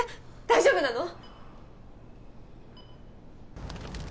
大丈夫なの！？